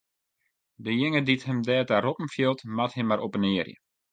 Dejinge dy't him derta roppen fielt, moat him mar oppenearje.